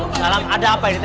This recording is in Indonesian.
assalamualaikum pak rete